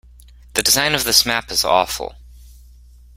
The design of this map is awful.